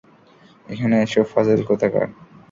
এখানে এসো, ফাজিল কোথাকার।